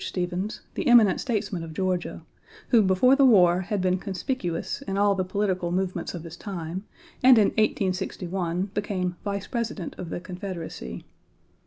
Stephens, the eminent statesman of Georgia, who before the war had been conspicuous in all the political movements of his time and in 1861 became Vice President of the Confederacy.